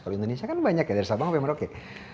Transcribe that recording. kalau indonesia kan banyak ya dari sabang sampai merauke